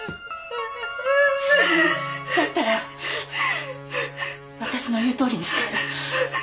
だったら私の言うとおりにして。